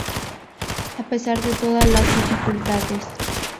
A pesar de todas las dificultades.